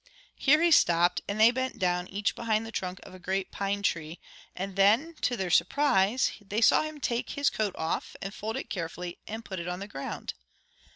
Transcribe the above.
Here he stopped, and they bent down, each behind the trunk of a great pine tree; and then, to their surprise, they saw him take his coat off and fold it carefully and put it on the ground.